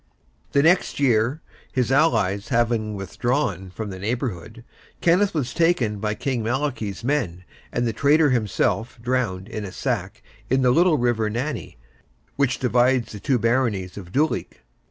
The next year, his allies having withdrawn from the neighbourhood, Kenneth was taken by King Malachy's men, and the traitor himself drowned in a sack, in the little river Nanny, which divides the two baronies of Duleek.